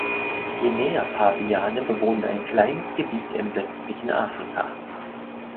Guinea-Paviane bewohnen ein kleines Gebiet im westlichen Afrika.